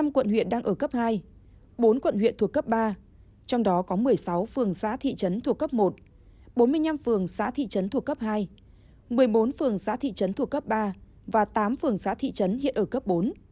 một mươi quận huyện đang ở cấp hai bốn quận huyện thuộc cấp ba trong đó có một mươi sáu phường xã thị trấn thuộc cấp một bốn mươi năm phường xã thị trấn thuộc cấp hai một mươi bốn phường xã thị trấn thuộc cấp ba và tám phường xã thị trấn hiện ở cấp bốn